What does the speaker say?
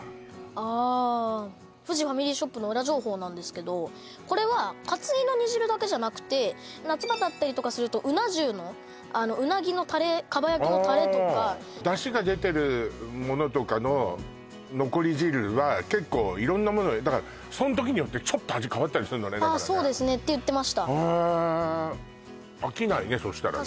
ああフジファミリーショップの裏情報なんですけどこれはカツ煮の煮汁だけじゃなくて夏場だったりとかするとうな重のうなぎのタレ蒲焼のタレとかああだしが出てるものとかの残り汁は結構色んなものにだからああそうですねって言ってましたへえ飽きないねそしたらね